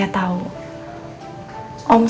aku tahu om